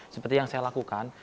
seperti yang saya lakukan